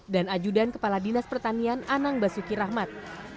dan ajudan kepala dinas pertanian anang basuki rahmat